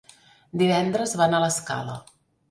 Divendres van a l'Escala.